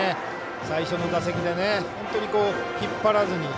最初の打席で本当に引っ張らずに。